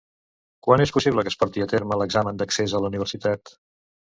Quan és possible que es porti a terme l'examen d'accés a la universitat?